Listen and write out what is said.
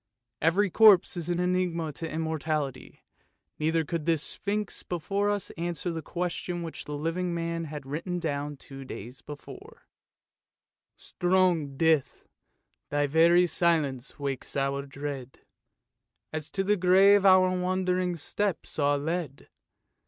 Every corpse is an enigma to Immortality, neither could this sphinx before us answer the question which the living man had written down two days before —" Strong Death, thy very silence wakes our dread, As to the grave our wandering steps are led.